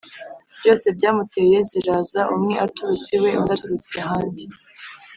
byose byamuteye ziraza umwe aturutse iwe undi aturutse ahandi